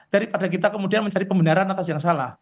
daripada kita kemudian mencari pembenaran atas yang salah